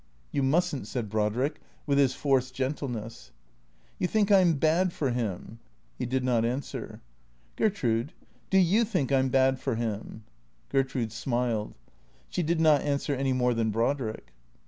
" You must n't," said Brodrick, with his forced gentleness. "You think I'm bad for him?" He did not answer. " Gertrude — do you think I 'm bad for him ?" Gertrude smiled. She did not answer any more than Brod rick.